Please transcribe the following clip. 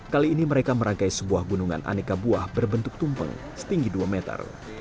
kali ini mereka merangkai sebuah gunungan aneka buah berbentuk tumpeng setinggi dua meter